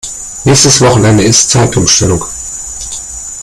Nächstes Wochenende ist Zeitumstellung.